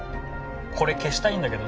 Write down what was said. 「これ消したいんだけど」